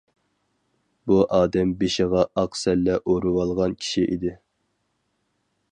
بۇ ئادەم بېشىغا ئاق سەللە ئورىۋالغان كىشى ئىدى.